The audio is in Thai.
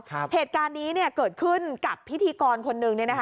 เหตุการณ์นี้เนี่ยเกิดขึ้นกับพิธีกรคนหนึ่ง